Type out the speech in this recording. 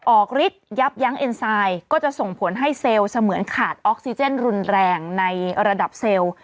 ฤทธิ์ยับยั้งเอ็นไซด์ก็จะส่งผลให้เซลล์เสมือนขาดออกซิเจนรุนแรงในระดับเซลล์